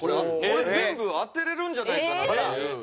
これ全部当てれるんじゃないかなっていう。